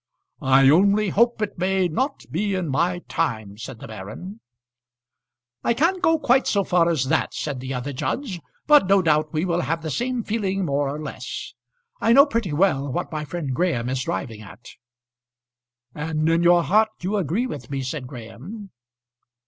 "I only hope it may not be in my time," said the baron. "I can't go quite so far as that," said the other judge. "But no doubt we all have the same feeling more or less. I know pretty well what my friend Graham is driving at." "And in your heart you agree with me," said Graham.